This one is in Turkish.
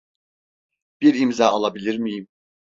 Bir imza alabilir miyim?